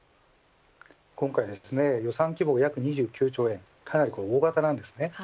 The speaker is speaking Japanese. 今回、予算規模が約２９兆円とかなり大型です。